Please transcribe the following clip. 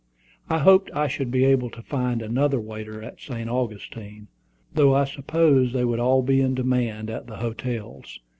I hoped I should be able to find another waiter at St. Augustine, though I supposed they would all be in demand at the hotels.